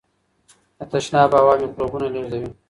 د تشناب هوا میکروبونه لیږدوي.